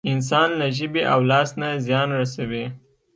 انسان له ژبې او لاس نه زيان رسوي.